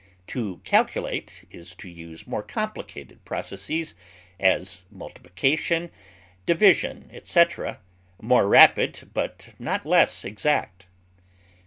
To calculate is to use more complicated processes, as multiplication, division, etc., more rapid but not less exact.